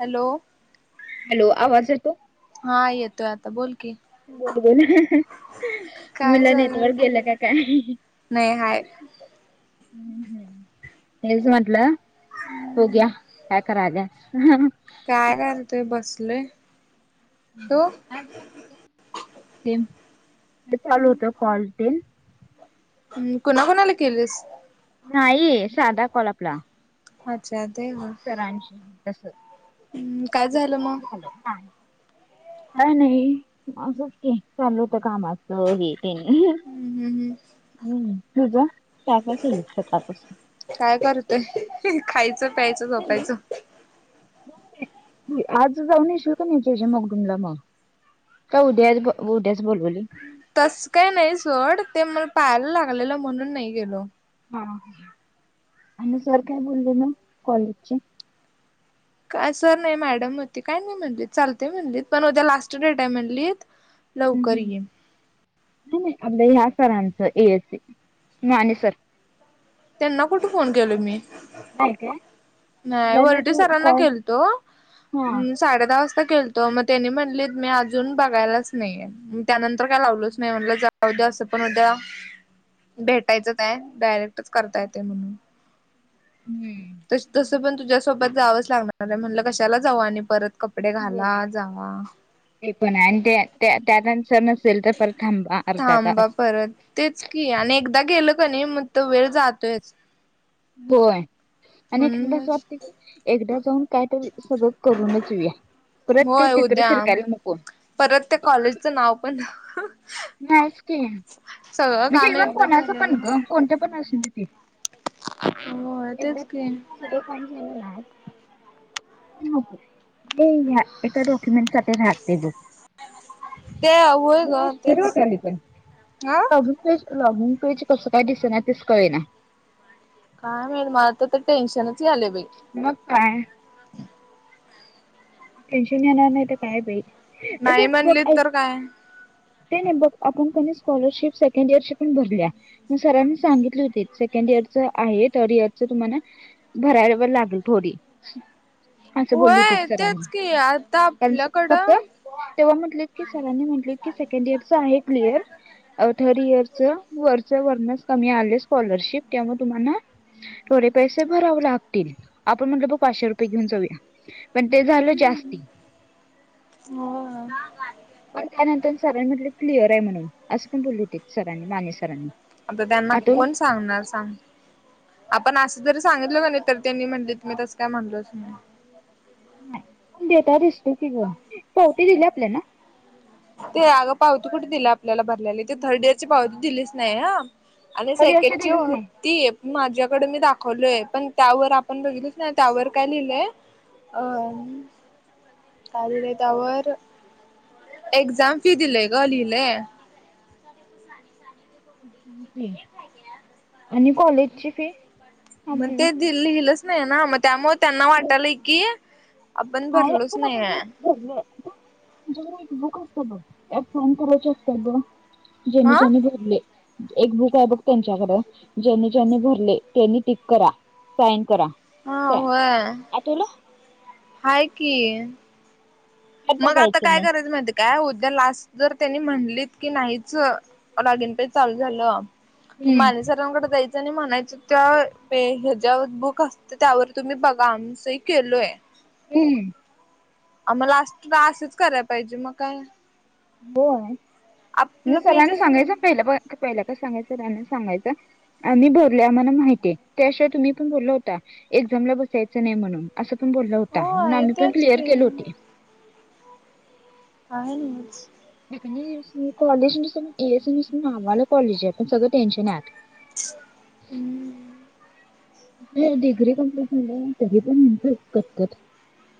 Hello. Hello, आवाज येतो? हा, येतोय आता. बोल की. बोल, बोल. [unintelligible] काय मणलं, झालं नेटवर्क गेलं का काय? नाही हाय हम्, हम. तेच म्हटलं, होग्या. काय, करायल्यात? काय, करतोय? बसलोय. तू हं, हं. [unintelligible] ते चालू होत. कॉल तेन. हम्. कुणाकुणाला केलंस? नाही, साधा कॉल आपला. अच्छा. ते होय. [unintelligible] तसं, काय झालं मग झालं. हा. काय नाही. असंच की. चालू होत, कामाच. हे, ते. हम्म हम् हम् हम्म. तुझ, काय - काय केलीस? सकाळपासून. काय करतोय. खायचं, प्यायचं, झोपायचं. [unintelligible] आज जाऊन येशील का नाही? जे जे मगडुंगला, मग. काय उद्या ब उद्यास बोलबोली. तस काय नाही सोड. ते मला पायाला लागलेलं, म्हणून नाही गेलो. हा. अन सर काय बोलले न, कॉलेजचे. काय सर नाही, मॅडम होती. काय नाही म्हणलीत. चालतंय म्हणलीत. पण उद्या लास्ट डेटाय म्हणलीत. हम्म लवकर ये. हम्म नाही, नाही. आपल्या ह्या सरांचं. ए एसी माने सर. त्यांना कुठं, फोन केलो मी. नाही काय नाही, मला वाटलं वरठे तू सरांना कॉल केलतो हा अं साडे दहा वाजता केलतो. मग त्यांनी म्हणलेत, मी अजून बघायलाच नाहीये. म त्यानंतर काय लावलच नाही. म्हणलं जाऊद्या. असं पण उद्या भेटायचं काय? डायरेक्टच करता येतंय म्हणून. हम. तस - तसं पण तुझ्यासोबत जावंच लागणारय. म्हणलं, कशाला जाऊ? आणि परत कप कपडे घाला, जावा. ते पनाय. अन् त्या- त्या त्यात सर नसेल तर, परत थांबा अर्धा थांबा तास. परत, तेच. की अन् एकदा गेलं कनय, मग तो वेळ जातोयच. होय. अन् एक - एकदा असं म्हणूनच वाटतंय की, एकदा जाऊन कायतरी, सगळं करूनच येऊया. परत ते, होय तीत्र उद्या फिरकायला नको. परत त्या कॉलेजचं नाव पण नायच की. सगळं म्हणजे काम इव्हन एकदाच कोणाचं पण झालेलं ग. कोणतं पण असुदे की. होय एकदा तेच की सगळं [unintelligible] नाही, या एका डॉक्युमेंट्साठी राहतय बघ. ते, होय ग. तेच. [unintelligible] आ होम पेज लॉगिन पेज कसं काय दिसेना तेच कळेना. काय माहित मला तर ते टेन्शनच यालंय बाई. मग काय टेन्शन येणार नाही तर काय बाई नाही रट बघ म्हणली ऐक तर काय ते नाही बघ आपण पण ये स्कॉलरशिप सेकंड इयरचे पण भरल्या म सरांनी सांगितले होते सेकंड इयरचं आहे थर्ड इयरचं तुम्हाना भरायवर लागील थोडी असं बोललू होय तिचं. तेच की आता आपल्याकडं तेव्हा म्हटलेत की सरांनी म्हटलेत की सेकंड इयरचं आहे क्लियर और थर्ड इयरचा वरचा वरनच कमी आले स्कॉलरशिप त्यामुळे तुम्हाना थोडे पैसे भराव लागतील आपण म्हणलो ब पाचशे रुपये घेऊन जाऊया पण ते झालं जास्ती. होय. पण त्यानंतर सरांनी म्हटले क्लिअर आहे म्हणून असं पण बोलले होतेत सरांनी माने सरांनी. आता त्यांना आठव कोण सांगणार सांग? आपण असं जरी सांगितलं का नाही तर त्यांनी म्हणलीत मी तसं काय म्हणलोच नाही. नाही पण डेटा दिसतो की गं पावती दिली आपल्यांना? ते अगं पावती कुठं दिली आपल्याला भरलेली ते थर्ड इयरची पावती दिलीच नाही हा आणि तरी वर्ष सेकंडची दिलीच होती माझ्याकड मी दाखवलोय पण त्यावर आपण बघितलच नाही त्यावर काय लिहिलंय अन काय लिहिलंय त्यावर एक्झाम फी दिलंय गं लिहिलंय. [inaudible] एगजाम फी आहे आणि कॉलेजची फी म आपली ते दिल्ल हिलच नाही ना मग त्यामूळं त्यांना वाटलंय की आपण भरलोच नाहीये [unintelligible] [inaudible] एक बुक असतं बघ ऐप फॉर्म करायचं असते ब जेनी हा जनी भरले. एक बुक आहे बघ त्यांच्याकडे ज्यांनी ज्यांनी भरले त्यांनी टीक करा साइन करा. हा होय. तुलो हाय की. त्यात मग आता बघायचं काय मग करायचं माहिती काय उद्या लास्ट जर त्यांनी म्हणलीत की नाहीच लॉगिन पेज चालू झालं हम्म माने सरांकडे जायचं आणि म्हणायचं त्या पे हेज्या वर बुक अस तं त्यावर तुम्ही बघा आम्ही सही केलोय. उम्म आम्हाला असी असच कराय पाहिजे मग काय. होय म आपलं सरांना पेजच सांगायचं पहिलं ब पहिलं काय सांगायचं सरांना सांगायचं. आम्ही बोलले आम्हाला माहिती त्याशिवाय तुम्ही पण बोलला होता एक्झामला बसायचा नाही म्हणून असं पण बोलला होता म्हणून होय आम्ही पण तेच क्लिअर केले की होती. आहे notes [unintelligible] college [unintelligible] S N S नावाला कॉलेज आहे पण सगळं टेन्शन आहे. हम्म. डिग्री कंप्लीट झालं तरी पण म्हणते कतकत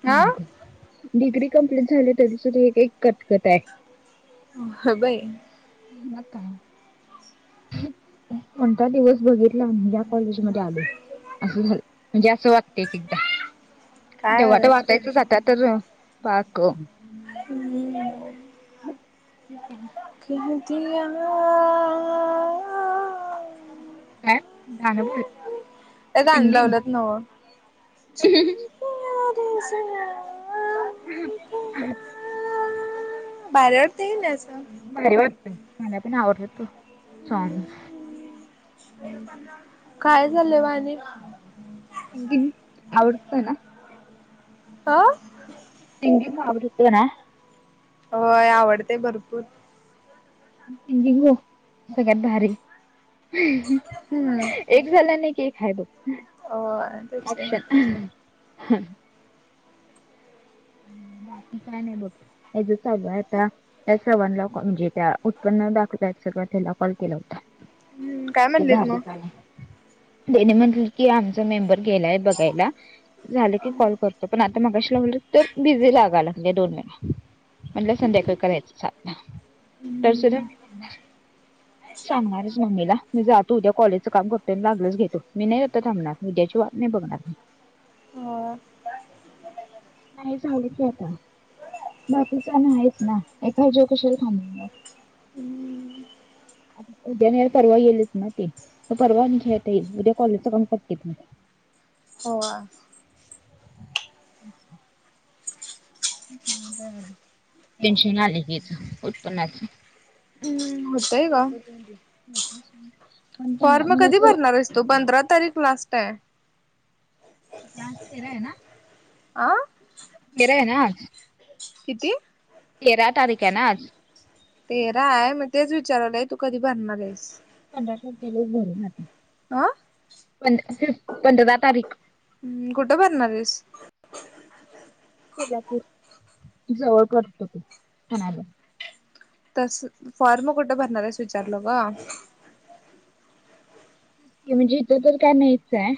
हा मागं डिग्री कंप्लीट झाली तरी सुद्धां हे कांहीं कटंकटं आहे. हं बाई मं कां कोणंता दिवसं बघितलांम यां कॉलेज मध्यें आलो. असं झालं म्हणजे असं वागते एक एकदां काय तेव्हांट करायचं. वाटायचं आंता तरं बांग [unintelligible] हं हं दिलं दि आं आं जाणं बोलं ते गाणं लावलंत नवं हम्मं बाहेरवरं तेईलं असं वाटतं मलां पणं आवडततो सॉंग कायं झालं वां आणि आवडतं नां हां तिंग कावंत नां होयं आवडते भरंपूर हो सगळ्यांत भारी हम्म एक झाल्याने की आहे बघं होय तेच की. ऑप्शन. बाकी कायं नाहीं बघं हेंच संग आंता. त्यां सवणंला म्हणजे त्यां उत्पन्न दाखवंता सगव त्यांला कॉल केलां होतां. हम्म काय ते म्हणलीत झाली मग? काले. त्यांने म्हटलं की आमचा मेंबर गेलांय बघायंला झालं की कॉल करं. पणं आंता मंग कशी लावली तरं बिझी लांगा लागली दोन वेळां आंता संध्याकाळी करायचं चालूं पैसे द्या सांगणारच मम्मीला म्हणजे आंता उद्यांलेजा तूं तूझ्या काॅलेज कामं बघं लागलंच घेतो मी नाहीं आंता थांबणार ऊद्याची वाटं नाहीं बघणांर मी हं कायं कायं झालं की आंता बाकीचं नाहींच नां एकां यांच्यावर कशाला थांबली मंग हम्मं उद्यां नाहीं परवा येईलचं नां ते तरं परवा आणि खेळतां येईल उद्यां कॉलेजचं कामं करते मी हो आं [inaudible] [unintelligible] टेन्शन आलं येचं उत्पन्नाचं हम्मं [inaudible] [unintelligible] फॉर्म मला कधीं असं भरणांरस तो पंधरा तारीख लास्टं आहे लास्टं तेरां आहे नां आं तेरां ये नां आंज किती तेरां तारीखे आहे नां आंज तेरा आहे. मग तेच विचारालोय तू कधी भरणार आहेस? पंधरा तारखेलाच भरून आले अ [inaudible] पंधरा तारीख. हम्म. कुठ भरणारेस? कोल्हापूर. जवळ पडत ते [unintelligible] तस फॉर्म कुठं भरणारेस? विचारलो ग. म्हणजे इथं तर काय नाहीच आहे.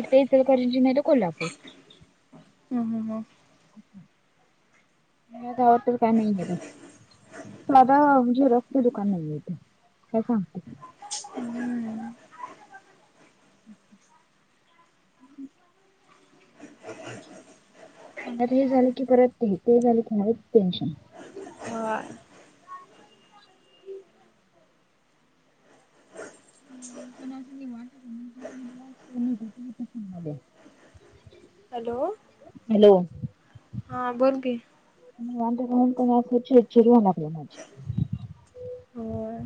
एक तर इचलकरंजी नाहीतर कोल्हापूर. हा हा हा. या गावात तर काही नाहीये बई. साधा झेरॉक्स च दुकान नाहीये इथे, काय सांगते. हम्म. [inaudible] मग आता हे झालं की परत ते ते झालं की आहेच टेन्शन. हा. [inaudible] हॅलो? हॅलो! हा बोल की. [unintelligible] चिडचीड व्हायला लागल्या माझी. होय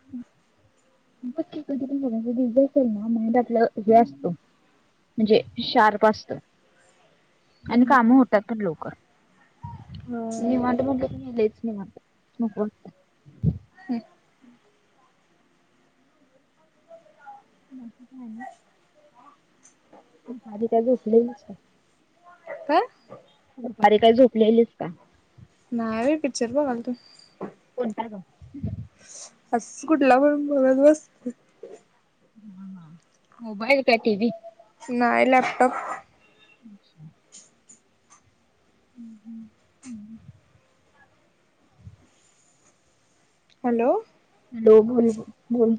[unintelligible] माईंड आपला हे असतो. म्हणजे शार्प असत आणि काम होतात पण लवकर. होय निवांत म्हणलं की लईच निवांत. नको वाटतय. [unintelligible] [unintelligible] काय दुपारी काय झोपलेलीस का? नाही बाई. पिक्चर बगालतो. कोणता ग? असच कुठला पण बगत बस हा हा. मोबाईल काय टीव्ही? नाही लॅपटॉप. अच्छा. ह ह. चांगलाय. हॅलो? हॅलो [unintelligible] बोल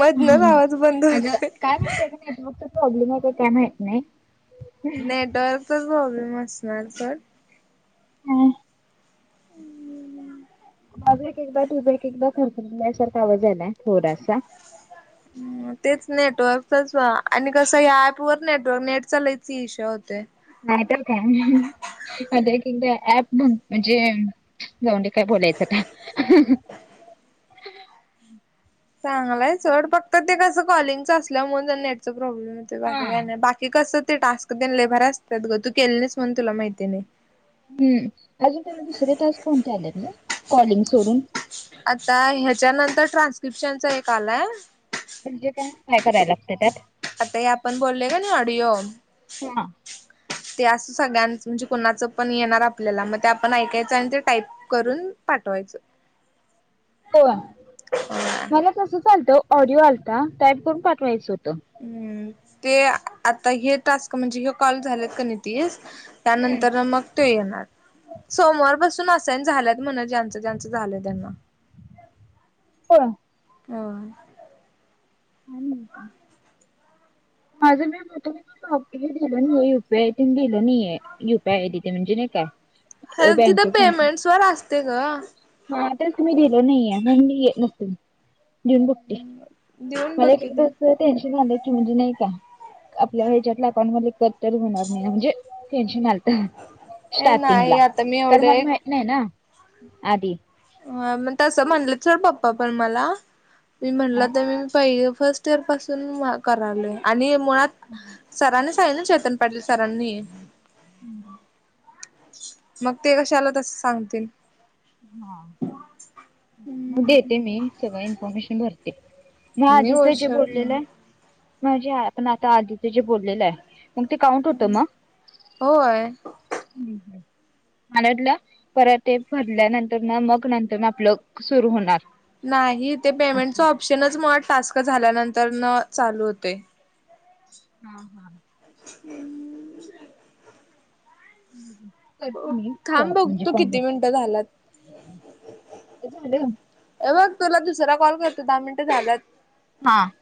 मधनच आवाज बंद अग होतोय काय माहिती का नेटवर्कचा प्रॉब्लेम आहे काय काय माहीत नाही. नेटवर्कचा प्रॉब्लेम असणार सोड. [unintelligible] [unintelligible] माझा एक एकदा तुझा एक एकदा खरखरल्यासारखा आवाज यालाय थोडासा. [unintelligible] तेच नेटवर्कच आणि कसं या ऍप वर नेटवर्क नेट चा लईच इशू होतोय. नाहीतर काय. [unintelligible] एकदा ऍप म्हणजे जाऊदे काय बोलायचं आता. चांगलाय सोड फक्त ते कसं कॉलिंग च असल्यामुळ नेट चा प्रॉब्लेम येतोय बाकी काय नाही. बाकी कस ते टास्कतेन लय भारी असत्यात ग तू केली कोण तुला माहिती नाय. हम्म अजून तुला दुसरे टास्क कोणते आले गं कॉलिंग सोडून. आता ह्याच्या नंतर ट्रान्स्क्रिप्शनचा एक आलाय. म्हणजे काय काय करायला लागतं त्यात? आता हे आपण बोललोय का नाय ऑडिओ हुना ते असं सगळ्यांच म्हणजे कोणाचं पण येणार आपल्याला मग ते आपण ऐकायचं आणि ते टाईप करून पाठवायचं. [inaudible] कव्हा मला तसं चालतं ऑडिओ आलता टाईप करून पाठवायचं होतं. हम्म ते आता हे टास्क म्हणजे हे कॉल झालेत का नी तीस त्यानंतर मग तो येणार सोमवार पासून असाईन झाल्यात मम्हणं ज्यांचं ज्यांचं झालंय त्यांना. [unintelligible] अवाय आणि येते माझं मी बी तुम्ही. [unintelligible] [unintelligible] दिलं नाहीेये यु पी आय तेन दिलं नाहीय यु पी आय आहे तिथे म्हणजे नाही काय हे तिथं बँकेच पेमेंट्स वर असते गं. हा तेच मी दिलं नाहीये म्हणून ही येत नसेल. देऊन बघते देऊन बघ मला एक कि एकदा ते असं टेन्शन आलंय की म्हणजे नाही ता आपल्या हेच्यातला अकाउंट मध्ये कट तरी होणार नाही म्हणजे टेनशन आल ए नाही स्टार्टिंगला आता मी तर मला एवढे माहीत नाही ना आदी अ म्हण तसं म्हणलंचर पप्पा पण मला मी काय. म्हणलं तर मी पहिलं फर्स्ट तोवर पासून म करायलो आणि मुळात सराने ना सांगितले चेतन पाडले सरांनी मग ते कशाला तसं सांगतील. हा म देते मी सगळं इन्फॉर्मेशन भरते. मी आधीचे जे बोललेलं आहे माझे आपण आता आधीचे जे बोललेलं आहे मंग ते काउंट होतं म? होय मला वाटल्या परत ते भरल्यानंतर ना मग नंतर आपलं सुरू होणार. नाही ते पेमेंटच असं ऑप्शनच म टास्क झाल्यानंतर न चालू होतोय. हां हां. हम्म. [unintelligible] थांब बघ म्हणजे तू फॉर्म किती भरतो मिनिटं झालात? ते झालं हे बघ तुला दुसरा कॉल करतो दहा मिनटं झालंत. हां.